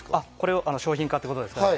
商品化ってことですか？